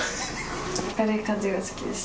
明るい感じが好きです。